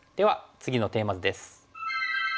次のテーマ図です。